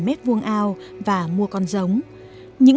hai mét vuông ao và mua con giống những